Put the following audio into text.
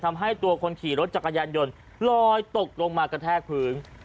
ทำให้ตัวคนขี่รถจักรยานยนต์ลอยตกลงมากระแทกพื้น